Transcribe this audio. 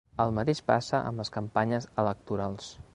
El mateix passa amb les campanyes electorals.